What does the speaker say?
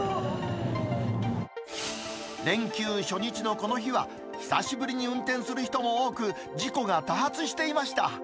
連休初日のこの日は、久しぶりに運転する人も多く、事故が多発していました。